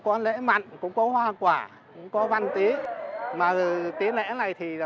mong thần nông phù hộ cầu cho mùa màng tươi tốt